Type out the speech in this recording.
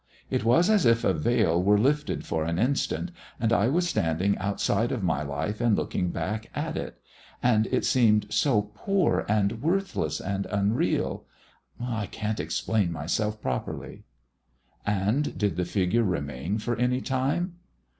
It was as if a veil were lifted for an instant, and I was standing outside of my life and looking back at it; and it seemed so poor and worthless and unreal I can't explain myself properly." "And did the figure remain for any time?"